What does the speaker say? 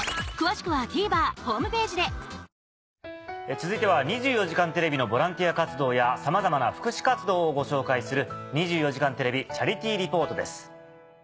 続いては『２４時間テレビ』のボランティア活動やさまざまな福祉活動をご紹介する。